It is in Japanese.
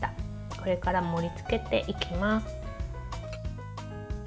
これから盛りつけていきます。